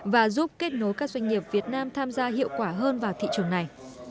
và giúp kết nối các doanh nghiệp việt nam tham gia hiệu quả hơn vào thị trường này